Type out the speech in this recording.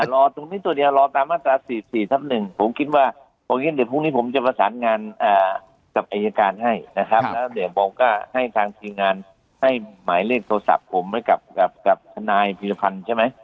แต่รอตรงนี้ตัวเดียวรอตามมาตรา๔๔ทับ๑ผมคิดว่าโอเคเดี๋ยวพรุ่งนี้ผมจะประสานงานกับอายการให้นะครับแล้วเดี๋ยวบอกว่าให้ทางทีมงานให้หมายเลขโทรศัพท์ผมไว้กับทนายพีรพันธ์ใช่ไหม